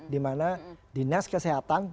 dimana dinas kesehatan